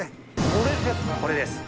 これですか？